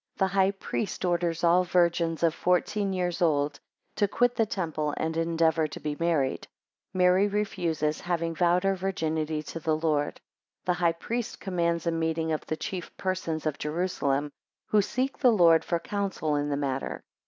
4 The high priest orders all virgins of fourteen years old to quit the temple and endeavour to be married. 5 Mary refuses, 6 having vowed her virginity to the Lord. 7 The high priest commands a meeting of the chief persons of Jerusalem, 11 who seek the Lord for counsel in the matter.